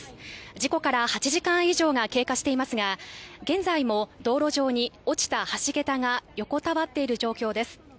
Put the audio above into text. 事故から８時間以上が経過していますが、現在も道路上に落ちた橋げたが横たわっている状況です。